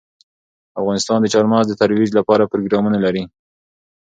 افغانستان د چار مغز د ترویج لپاره پروګرامونه لري.